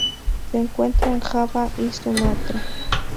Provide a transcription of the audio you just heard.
Se encuentra en Java y Sumatra.